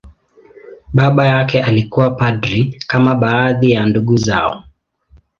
Baba yake alikuwa padri, kama baadhi ya ndugu zao.